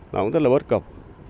nó cũng rất là bớt cọc